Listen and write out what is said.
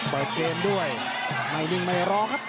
เปิดเกมต์ด้วยไม่ลิงไม่รอครับ